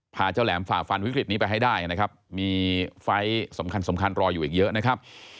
พาเจ้าแหลมฝ่าฟันวิกฤตนี้ไปให้ได้นะครับมีไฟล์สำคัญสำคัญรออยู่อีกเยอะนะครับ